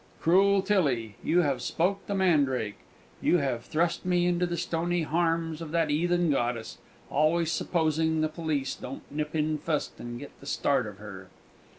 Cruel Tillie! you have spoke the mandrake; you have thrust me into the stony harms of that 'eathen goddess always supposing the police don't nip in fust, and get the start of her."